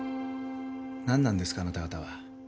何なんですかあなた方は？